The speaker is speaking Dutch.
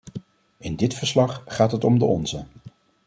In dit verslag gaat het om de onze.